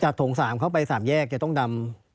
โถง๓เข้าไป๓แยกจะต้องดำ